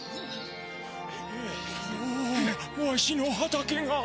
おおわしの畑が！